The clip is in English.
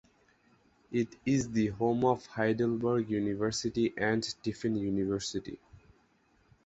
It is the home of Heidelberg University and Tiffin University.